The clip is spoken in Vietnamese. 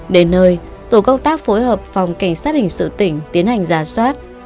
đến nơi tổ công tác phối hợp phòng cảnh sát hình sự tỉnh tiến hành giả soát